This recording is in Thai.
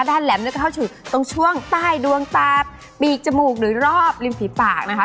ด้านแหลมแล้วก็เข้าสู่ตรงช่วงใต้ดวงตาปีกจมูกหรือรอบริมฝีปากนะคะ